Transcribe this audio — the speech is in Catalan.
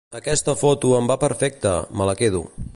Aquesta foto em va perfecte; me la quedo.